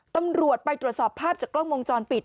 ตำรวจไปตรวจสอบภาพจากกล้องวงจรปิด